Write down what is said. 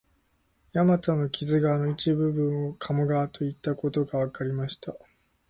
大和の木津川の一部分を鴨川といったことがわかりました